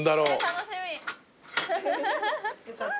楽しみ。